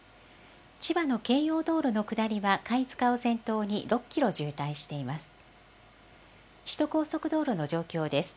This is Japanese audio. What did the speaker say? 千葉の京葉道路の下りは貝塚を先頭に６キロ渋滞しています。